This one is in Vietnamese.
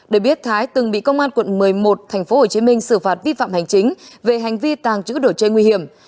để biết thái từng bị công an tp hcm xử phạt vi phạm hành chính về hành vi tàng trữ đổ chơi nguy hiểm